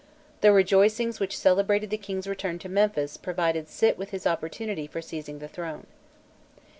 The rejoicings which celebrated the king's return to Memphis provided Sit with his opportunity for seizing the throne.